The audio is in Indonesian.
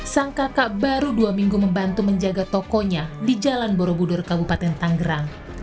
sang kakak baru dua minggu membantu menjaga tokonya di jalan borobudur kabupaten tanggerang